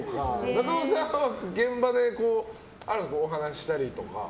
中尾さんは現場でお話したりとか？